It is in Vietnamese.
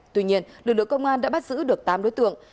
tuy nhiên lực lượng công an đã bắt giữ được tám đối tượng